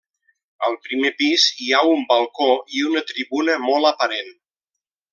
Al primer pis hi ha un balcó i una tribuna molt aparent.